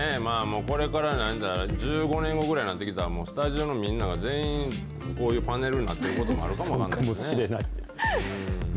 これから、１５年後ぐらいになってきたら、スタジオのみんなが、全員こういうパネルになってることもあるかも分からないですね。